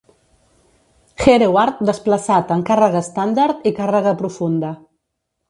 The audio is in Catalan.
"Hereward" desplaçat en càrrega estàndard i càrrega profunda.